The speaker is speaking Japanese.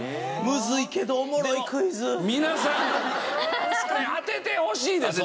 皆さん当ててほしいですよ